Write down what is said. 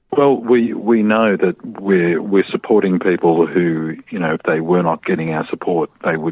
kami memberikan perkhidmatan untuk orang orang yang tinggal di kota kota regional